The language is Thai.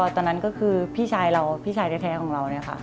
ตอนนั้นก็คือพี่ชายเราพี่ชายแท้ของเรา